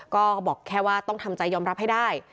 ก็บอกแค่ว่าต้องทำใจยอมรับให้ได้